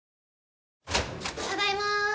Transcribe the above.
ただいま。